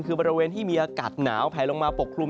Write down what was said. คือบริเวณที่มีอากาศหนาวแผลลงมาปกคลุม